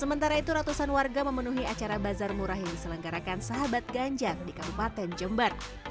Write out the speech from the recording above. sementara itu ratusan warga memenuhi acara bazar murah yang diselenggarakan sahabat ganjar di kabupaten jember